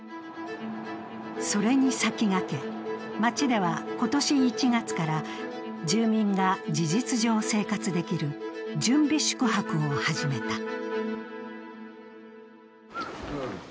それに先駆け、町では今年１月から住民が事実上生活できる準備宿泊を始めた。